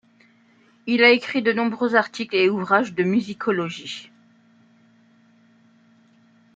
Il a écrit de nombreux articles et ouvrages de musicologie.